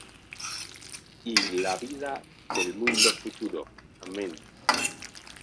y la vida del mundo futuro. Amén.